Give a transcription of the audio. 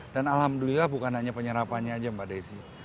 dan alhamdulillah bukan hanya penyerapannya aja pak desi